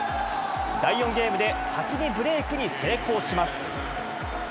第４ゲームで先にブレークに成功します。